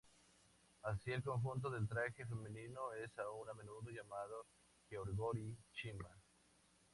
Así el conjunto del traje femenino es a menudo llamado "jeogori-chima".